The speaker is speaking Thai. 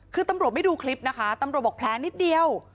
คือตำรวจไม่ดูคลิปนะคะตำรวจบอกแผลนิดเดียว